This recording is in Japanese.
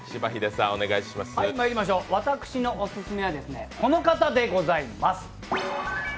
私のオススメは、この方でございます。